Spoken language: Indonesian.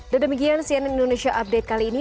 dan demikian cnn indonesia update kali ini